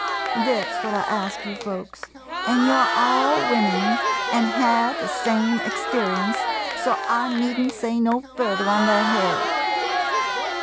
Thet 's what I ask you folks, an' you 're all women, an' had the same experience, so I need n't say no further on thet head.